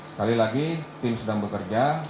sekali lagi tim sedang bekerja